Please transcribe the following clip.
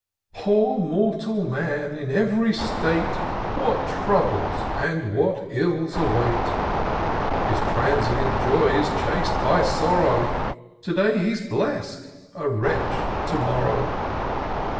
OOR mortal man, in ev'ry state, What troubles and what ills await! His transient joy is chas'd by sorrow, To day he's blest ;— a wretch to morrow.